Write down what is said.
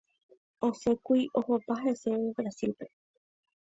osẽkuri ohopa heseve Brasil-pe.